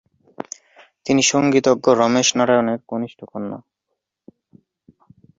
তিনি সঙ্গীতজ্ঞ রমেশ নারায়ণের কনিষ্ঠ কন্যা।